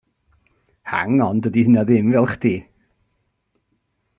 Hang on, dydi hynna ddim fel chdi.